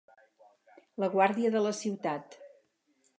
La guàrdia de la ciutat.